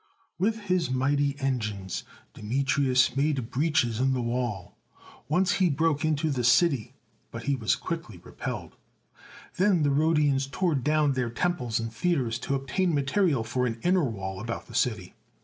With his mighty engines Demetrius made breaches in the wall. Once he broke into the city, but he was quickly repelled. Then the Rhodians tore down their temples and theatres to obtain material for an inner wall about the city.